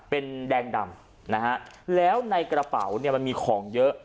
เป็นแดงดำแล้วในกระเป๋ามันมีของเยอะ